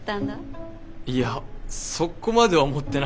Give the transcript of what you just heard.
いやそこまでは思ってなかったけど。